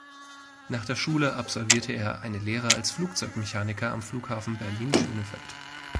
Nach der Schule absolvierte er eine Lehre als Flugzeugmechaniker am Flughafen Berlin-Schönefeld.